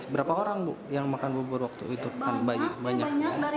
berapa orang yang makan bubur waktu itu banyak dari daerah lain juga banyak